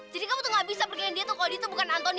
jadi kamu tuh gak bisa percaya dia tuh kalau dia tuh bukan antoni